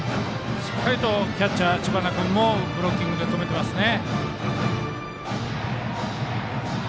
しっかりとキャッチャー知花君もブロッキングで止めてますね。